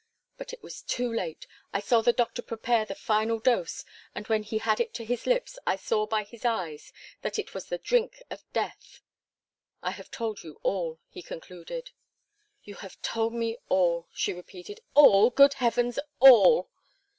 But it was too late. I saw the doctor prepare the final dose, and when he had it to his lips I saw by his eyes that it was the drink of death. I have told you all," he concluded. "You have told me all," she repeated. "All! Good Heavens! All!"